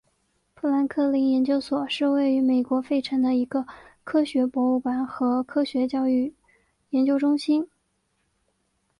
富兰克林研究所是位于美国费城的一个科学博物馆和科学教育研究中心。